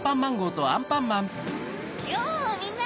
ようみんな！